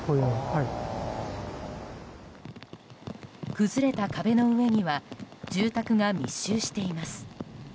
崩れた壁の上には住宅が密集しています。